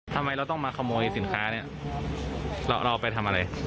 ทำไมเราต้องมาขโมยสินค้าเนี่ยเราไปทำอะไร